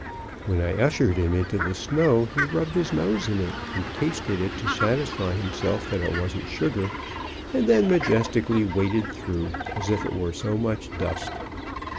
When I ushered him into the snow, he rubbed his nose in it, and tasted it to satisfy himself that it wasn't sugar, and then majestically waded through, as if it were so much dust.